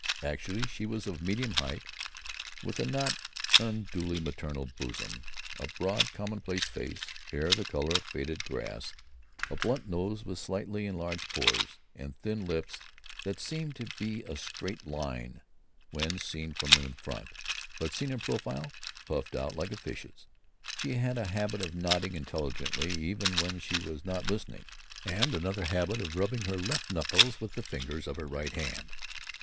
Actually, she was of medium height, with a not unduly maternal bosom, a broad, commonplace face, hair the color of faded grass, a blunt nose with slightly enlarged pores, and thin lips that seemed to be a straight line when seen from in front, but, seen in profile, puffed out like a fish's. She had a habit of nodding intelligently even when she was not listening, and another habit of rubbing her left knuckles with the fingers of her right hand.